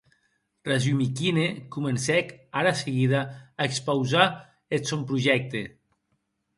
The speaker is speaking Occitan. Rasumikhine comencèc, ara seguida, a expausar eth sòn projècte.